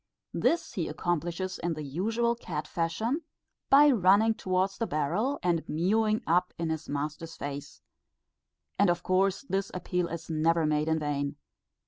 This he accomplishes in the usual cat fashion, by running towards the barrel and mewing up in his master's face; and of course this appeal is never made in vain.